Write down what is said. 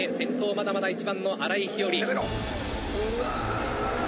まだまだ１番の新井日和。